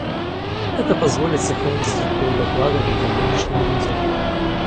Это позволит сохранить структуру доклада в ее нынешнем виде.